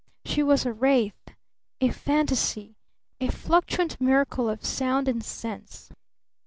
She was a wraith! A phantasy! A fluctuant miracle of sound and sense!